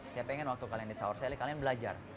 saya pengen waktu kalian di sauer selle kalian belajar